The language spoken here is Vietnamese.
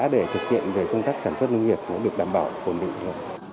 để thực hiện công tác sản xuất nông nghiệp được đảm bảo tổn định